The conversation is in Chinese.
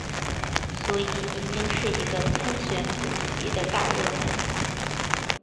所以已经是一个参选主席的大热门。